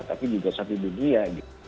tapi juga satu dunia